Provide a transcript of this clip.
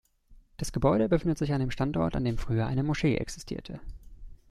Das Gebäude befindet sich an dem Standort, an dem früher eine Moschee existierte.